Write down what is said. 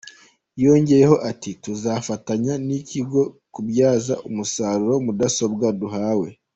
Yongeyeho ati “Tuzafatanya n’ikigo kubyaza umusaruro mudasobwa duhawe.